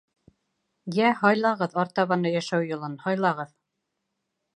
Йә, һайлағыҙ артабан йәшәү юлын, һайлағыҙ.